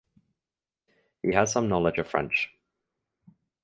He has some knowledge of French.